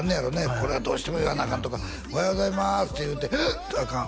「これはどうしても言わなあかん」とか「おはようございます」って言うて「はっ！あかん」